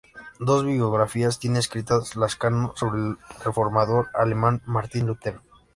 Dos biografía tiene escritas lazcano sobre el Reformador alemán, Martín Lutero.